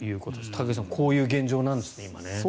高木さん、今こういう現状なんですね。